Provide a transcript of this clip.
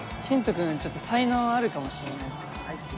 君ちょっと才能あるかもしれないです。